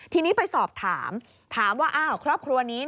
ทีนี้ไปสอบถามถามว่าอ้าวครอบครัวนี้